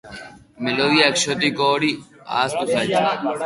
Melodia exotiko hori ahaztu zait.